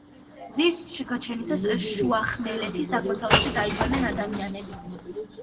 მზის გაჩენისას, შუახმელეთის აღმოსავლეთში დაიბადნენ ადამიანები.